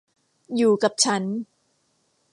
อยู่กับฉัน